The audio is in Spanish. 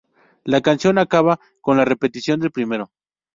La canción acaba con la repetición del primero.